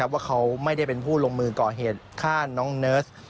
ว่าเขาไม่ได้เป็นผู้ลงมือก่อเหตุฆ่าน้องเนิร์ส